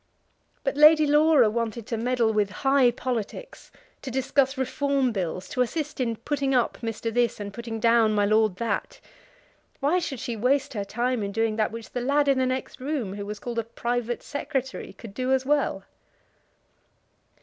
But Lady Laura wanted to meddle with high politics, to discuss reform bills, to assist in putting up Mr. This and putting down my Lord That. Why should she waste her time in doing that which the lad in the next room, who was called a private secretary, could do as well?